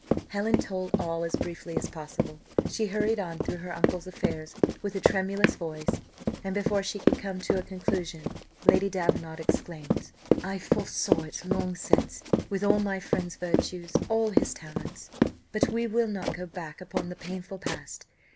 Helen told all as briefly as possible; she hurried on through her uncle's affairs with a tremulous voice, and before she could come to a conclusion Lady Davenant exclaimed, "I foresaw it long since: with all my friend's virtues, all his talents but we will not go back upon the painful past.